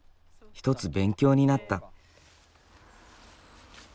一つ勉強になった。